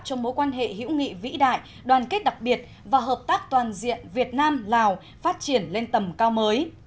cho mối quan hệ hữu nghị vĩ đại đoàn kết đặc biệt và hợp tác toàn diện việt nam lào phát triển lên tầm cao mới